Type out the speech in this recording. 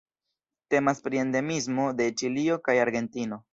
Temas pri endemismo de Ĉilio kaj Argentino.